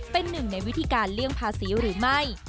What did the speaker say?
เป็นหนึ่งในวิธีการเลี่ยงภาษีหรือไม่